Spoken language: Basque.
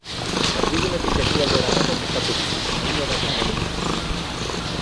Erdigunetik ekialdera dago kokaturik, muino baten gainean.